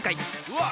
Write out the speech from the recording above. うわ！